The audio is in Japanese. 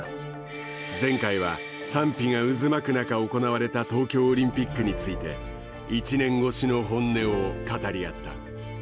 前回は、賛否が渦巻く中行われた東京オリンピックについて１年越しの本音を語り合った。